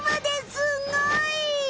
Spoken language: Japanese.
すんごい！